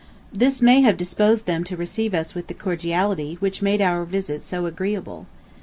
This may have disposed them to receive us with the cordiality which made our visit so agreeable.